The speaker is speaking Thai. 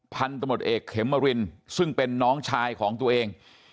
พันธมตเอกเขมรินซึ่งเป็นน้องชายของตัวเอง